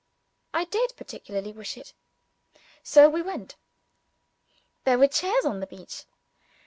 I did particularly wish it. So we went. There were chairs on the beach.